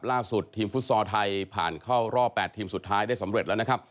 ล่าสุดทีมฟุตซอลไทยผ่านเข้ารอบ๘ทีมสุดท้ายได้สำเร็จแล้วนะครับ